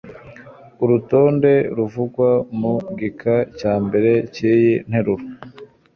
urutonde ruvugwa mu gika cya mbere cy iyi nteruro